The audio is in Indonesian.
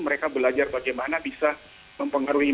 mereka belajar bagaimana bisa mempengaruhi